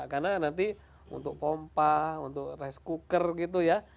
karena nanti untuk pompa untuk rice cooker gitu ya